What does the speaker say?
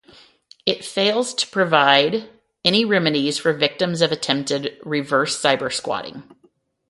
It also fails to provide any remedies for victims of attempted reverse cybersquatting.